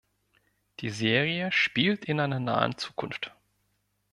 Die Serie spielt in einer nahen Zukunft.